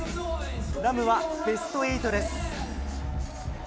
ＲＡＭはベスト８です。